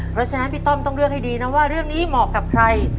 เพราะฉะนั้นพี่ต้อมต้องเลือกให้ดีนะว่าเรื่องนี้เหมาะกับใคร